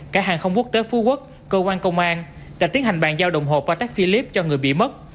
cả hàng không quốc tế phú quốc cơ quan công an đã tiến hành bàn giao đồng hồ patek philippe cho người bị mất